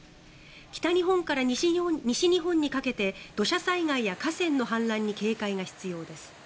北日本から西日本にかけて土砂災害や河川の氾濫に警戒が必要です。